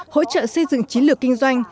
hỗ trợ xây dựng chiến lược kinh doanh